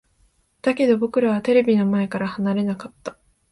だけど、僕らはテレビの前から離れなかった。